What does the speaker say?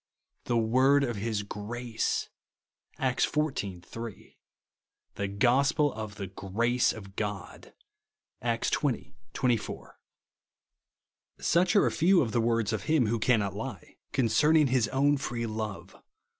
17); "the word of his grace!' (Acts xiv. 3) ;" the gospel of the grace of God/' (Acts xx. 24.). Such are a fev/ of the words of Him who cannot lie, concerning his own free love.